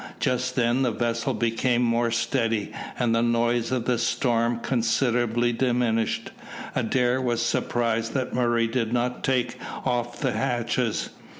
Just then the vessel became more steady, and the noise of the storm considerably diminished. Adair was surprised that Murray did not take off the hatches.